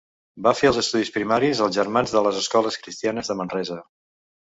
Va fer els estudis primaris als Germans de les Escoles Cristianes de Manresa.